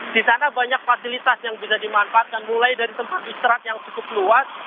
di sana banyak fasilitas yang bisa dimanfaatkan mulai dari tempat istirahat yang cukup luas